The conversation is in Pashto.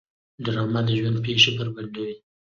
ډرامه د ژوند پېښې بربنډوي